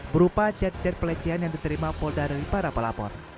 berupa chat chat pelecehan yang diterima polda dari para pelapor